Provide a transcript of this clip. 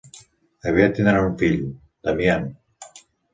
Aviat tindran un fill, Damian.